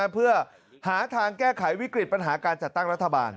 เพื่อหาทางแก้ไขวิกฤตปัญหาการจัดตั้งรัฐบาล